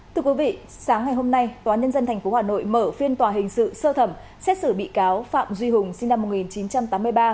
thưa quý vị sáng ngày hôm nay tòa nhân dân tp hà nội mở phiên tòa hình sự sơ thẩm xét xử bị cáo phạm duy hùng sinh năm một nghìn chín trăm tám mươi ba